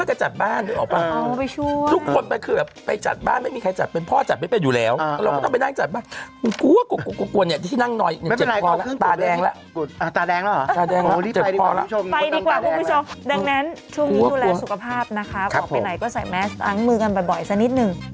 ไปดีกว่าคุณผู้ชมดังนั้นช่วงนี้ดูแลสุขภาพนะคะออกไปไหนก็ใส่แมสล้างมือกันบ่อยสักนิดนึง